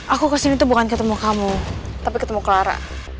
aku kesini tuh bukan ketemu kamu tapi ketemu clara